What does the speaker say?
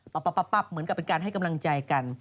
ปัปปัปปัปปุ๊บเหมือนกับเป็นการให้กำลังใจกัน